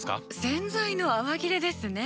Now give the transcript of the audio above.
洗剤の泡切れですね。